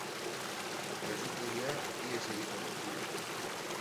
Erasotzaileak ihes egitea lortu du.